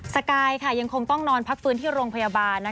สกายยังคงต้องนอนพักฟื้นที่โรงพยาบาล